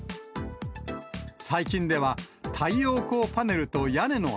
最近では、太陽光パネルと屋根の